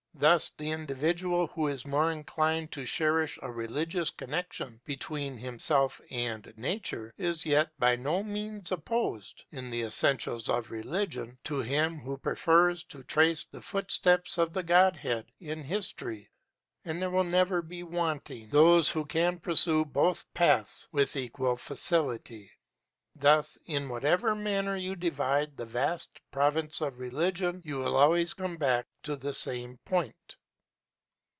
Thus the individual who is more inclined to cherish a religious connection between himself and nature, is yet by no means opposed, in the essentials of religion, to him who prefers to trace the footsteps of the Godhead in history; and there will never be wanting those who can pursue both paths with equal facility. Thus in whatever manner you divide the vast province of religion, you will always come back to the same point.